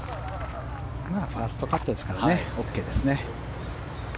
ファーストカットですからＯＫですね。